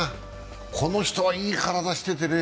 この人はいい体しててね